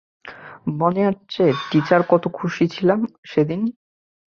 মনে আছে, টিচার কত খুশি ছিলাম আমি সেদিন?